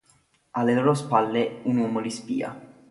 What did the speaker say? Alle loro spalle, un uomo li spia.